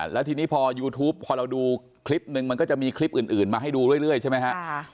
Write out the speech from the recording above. แล้วทีนี้พอยูทูปพอเราดูคลิปนึงมันก็จะมีคลิปอื่นมาให้ดูเรื่อยใช่ไหมฮะ